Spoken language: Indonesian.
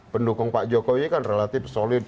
pendukung pak jokowi kan relatif solid